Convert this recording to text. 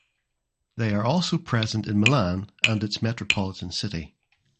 They are also present in Milan and its metropolitan city.